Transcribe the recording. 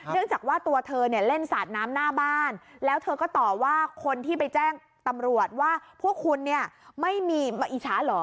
จากว่าตัวเธอเนี่ยเล่นสาดน้ำหน้าบ้านแล้วเธอก็ตอบว่าคนที่ไปแจ้งตำรวจว่าพวกคุณเนี่ยไม่มีมาอิจฉาเหรอ